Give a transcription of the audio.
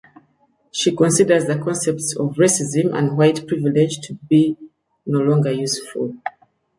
She considers the concepts of racism and white privilege to be no longer useful.